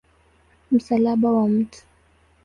Msalaba wa Mt.